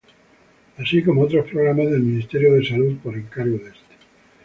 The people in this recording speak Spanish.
Así como otros programas del Ministerio de Salud, por encargo de este.